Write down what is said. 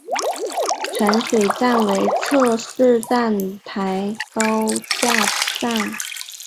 泉水站为侧式站台高架站。